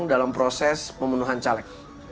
dalam proses pemenuhan caleg